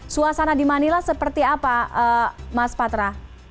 suasana di manila seperti apa mas patra